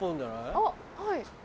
あっはい。